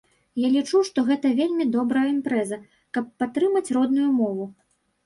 Я лічу, што гэта вельмі добрая імпрэза, каб падтрымаць родную мову.